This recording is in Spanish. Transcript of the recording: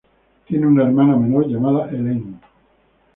Tiene una hermana menor llamada Elaine.